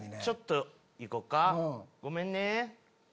ちょっと行こかごめんね。